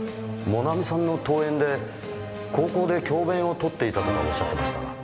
モナミさんの遠縁で高校で教鞭を執っていたとかおっしゃってましたが。